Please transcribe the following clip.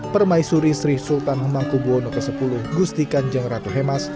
permaisuri sri sultan hemangkubwono x gusti kanjeng ratu hemas